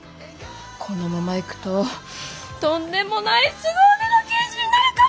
このままいくととんでもないすご腕の刑事になるかも！